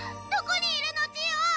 どこにいるのジオ？